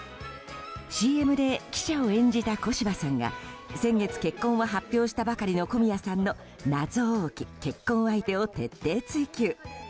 ＣＭで記者を演じた小芝さんが先月、結婚を発表したばかりの小宮さんの謎多き結婚相手を徹底追及。